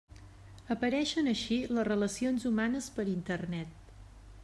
Apareixen així les relacions humanes per internet.